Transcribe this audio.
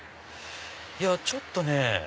いやちょっとね。